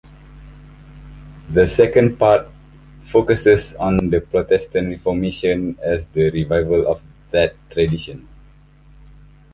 The second part focuses on the Protestant Reformation as the revival of that tradition.